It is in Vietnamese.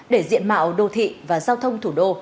để diện mạo đô thị và giao thông thủ đô